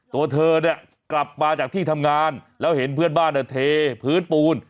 ตัวเธอเนี่ยกลับมาจากที่ทำงานแล้วเห็นเพื่อนบ้านเทพื้นปูน